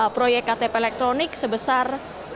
proyek ktp elektronik sebesar